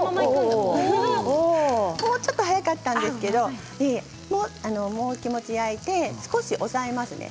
もうちょっと早かったんですけれどもう少し気持ち焼いて押さえますね。